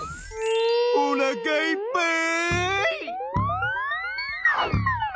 おなかいっぱい！